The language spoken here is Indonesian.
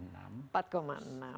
saat ini empat enam